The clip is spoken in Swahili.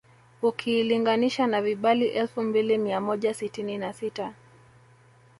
Ukilinganisha na vibali elfu mbili mia moja sitini na sita